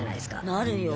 なるよ。